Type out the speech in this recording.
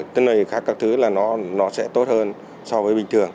tất cả các thứ là nó sẽ tốt hơn so với bình thường